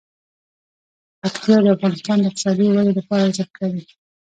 پکتیا د افغانستان د اقتصادي ودې لپاره ارزښت لري.